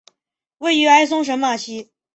位于埃松省马西。